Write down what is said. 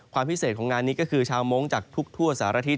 ความพิเศษของงานนี้ก็คือชาวมงค์จากทุกทั่วสารทิศ